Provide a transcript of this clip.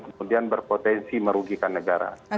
kemudian berpotensi merugikan negara